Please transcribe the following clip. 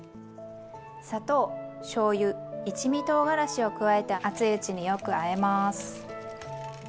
砂糖しょうゆ一味とうがらしを加えて熱いうちによくあえます。